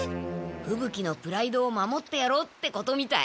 ふぶ鬼のプライドを守ってやろうってことみたい。